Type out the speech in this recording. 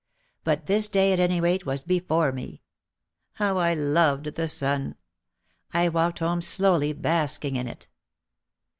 But this day at any rate was before me. How I loved the sun ! I walked home slow ly, basking in it.